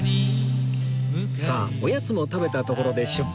さあおやつも食べたところで出発！